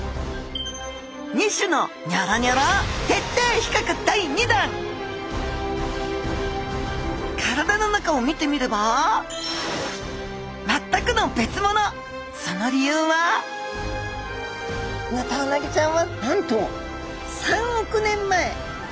２種のニョロニョロ体の中を見てみればその理由はヌタウナギちゃんはなんと３億年前！